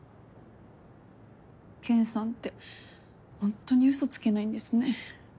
ケンさんってホントに嘘つけないんですね。